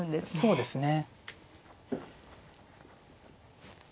そうですね。